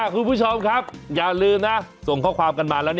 คุณผู้ชมครับอย่าลืมนะส่งข้อความกันมาแล้ว